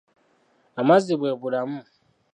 Amazzi bw'ebulamu.